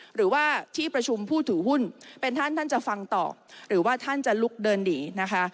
หรือว่าที่ประชุมผู้ถือหุ้นเป็นท่านท่านจะฟังต่อหรือว่าท่านจะลุกเดินหนีนะคะ